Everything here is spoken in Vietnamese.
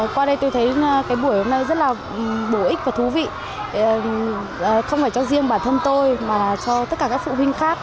qua đây tôi thấy cái buổi hôm nay rất là bổ ích và thú vị không phải cho riêng bản thân tôi mà cho tất cả các phụ huynh khác